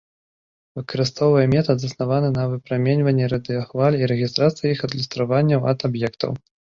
Выкарыстоўвае метад, заснаваны на выпраменьванні радыёхваль і рэгістрацыі іх адлюстраванняў ад аб'ектаў.